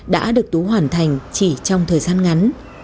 đã được tú hoàn thành chỉ trong thời gian ngắn